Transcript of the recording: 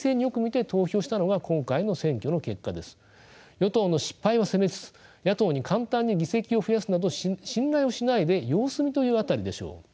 与党の失敗は責めつつ野党に簡単に議席を増やすなど信頼をしないで様子見という辺りでしょう。